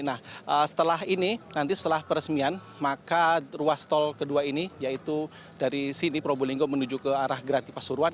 nah setelah ini nanti setelah peresmian maka ruas tol kedua ini yaitu dari sini probolinggo menuju ke arah grati pasuruan